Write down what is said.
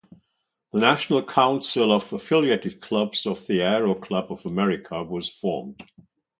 The National Council of Affiliated Clubs of the Aero Club of America, was formed.